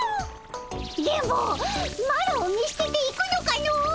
電ボマロを見捨てて行くのかの！